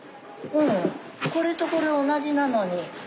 これとこれおなじなのに。